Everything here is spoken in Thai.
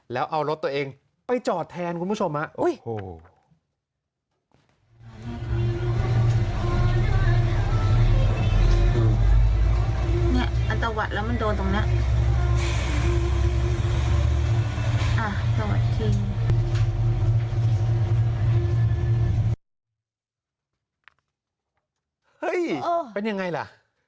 แล้วเอารถตัวเองไปจอดแทนคุณผู้ชมฮะ